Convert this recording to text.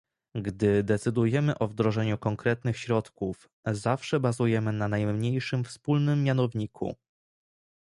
Gdy decydujemy o wdrożeniu konkretnych środków, zawsze bazujemy na najmniejszym wspólnym mianowniku